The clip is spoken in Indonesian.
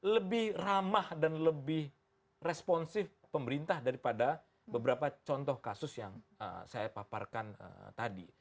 lebih ramah dan lebih responsif pemerintah daripada beberapa contoh kasus yang saya paparkan tadi